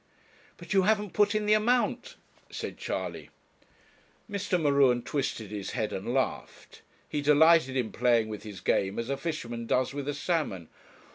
'But you haven't put in the amount,' said Charley. Mr. M'Ruen twisted his head and laughed. He delighted in playing with his game as a fisherman does with a salmon.